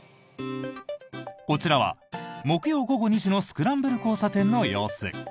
こちらは木曜午後２時のスクランブル交差点の様子。